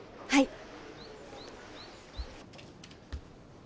はい。